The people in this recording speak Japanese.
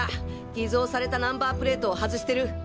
偽造されたナンバープレートを外してる！